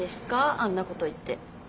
あんなこと言って。